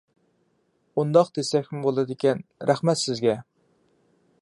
ئۇنداق دېسەكمۇ بولىدىكەن. رەھمەت سىزگە!